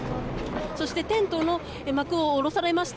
そして、テントの幕を下ろされました。